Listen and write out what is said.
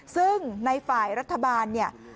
ซึ่งในฝ่ายรัฐบาล